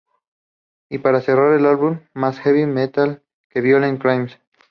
Y para cerrar el álbum; más heavy metal con Violent Crimes.